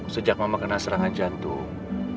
sejak mama kena serangan jantung